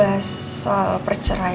ada apa kok ketemu sama nino